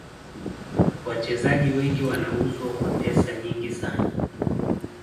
Wachezaji wengi wanauzwa kwa pesa nyingi sana